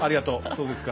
そうですか。